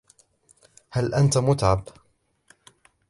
هل أنت مُتعب ؟